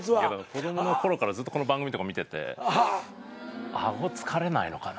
子供の頃からずっとこの番組とか見てて顎疲れないのかな。